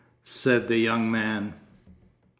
. said the young man....